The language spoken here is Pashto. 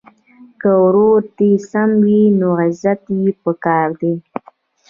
که ورور دي سم وي نو عزت یې په کار دی.